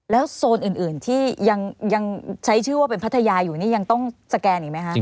โซนอื่นที่ยังใช้ชื่อว่าเป็นพัทยาอยู่นี่ยังต้องสแกนอีกไหมคะ